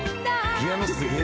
「ピアノすげえ」